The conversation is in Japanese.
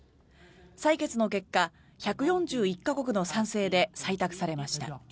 採決の結果、１４１か国の賛成で採択されました。